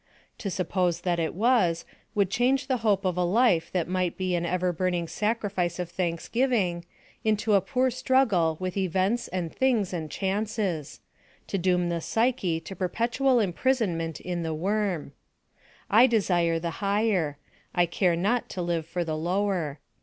To suppose that it was, would change the hope of a life that might be an ever burning sacrifice of thanksgiving, into a poor struggle with events and things and chances to doom the Psyche to perpetual imprisonment in the worm. I desire the higher; I care not to live for the lower.